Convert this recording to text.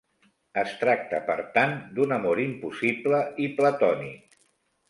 Es tracta, per tant, d'un amor impossible i platònic.